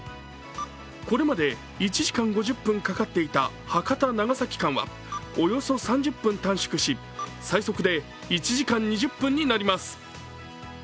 これまで１時間５０分かかっていた博多−長崎間はおよそ３０分短縮し、最速で１時間２０分になります。